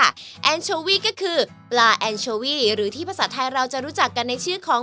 แอนโชวี่ก็คือปลาแอนโชวี่หรือที่ภาษาไทยเราจะรู้จักกันในชื่อของ